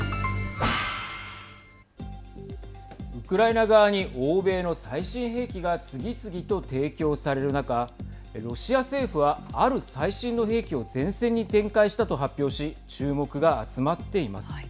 ウクライナ側に欧米の最新兵器が次々と提供される中ロシア政府は、ある最新の兵器を前線に展開したと発表し注目が集まっています。